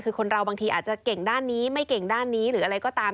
คือคนเราบางทีอาจจะเก่งด้านนี้ไม่เก่งด้านนี้หรืออะไรก็ตาม